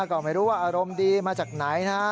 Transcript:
ก็ไม่รู้ว่าอารมณ์ดีมาจากไหนนะ